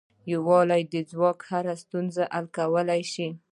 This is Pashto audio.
د یووالي ځواک هره ستونزه حل کولای شي.